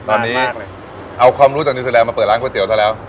ตอนนี้เอาความรู้จากนิวสุดแรงมาเปิดร้านก๋วยเตี๋ยวเท่าแล้ว